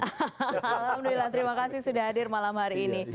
alhamdulillah terima kasih sudah hadir malam hari ini